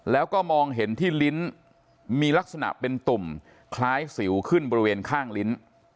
แล้วก็มองเห็นที่ลิ้นมีลักษณะเป็นตุ่มคล้ายสิวขึ้นบริเวณข้างลิ้น